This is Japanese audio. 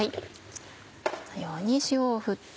このように塩を振って。